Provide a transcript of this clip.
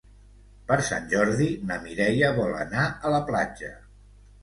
Per Sant Jordi na Mireia vol anar a la platja.